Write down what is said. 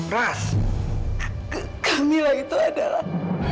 ras kamila itu adalah